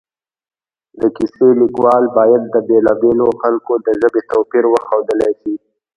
د کیسې لیکوال باید د بېلا بېلو خلکو د ژبې توپیر وښودلی شي